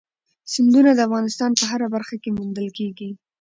سیندونه د افغانستان په هره برخه کې موندل کېږي.